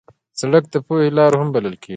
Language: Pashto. سړک د پوهې لار هم بلل کېږي.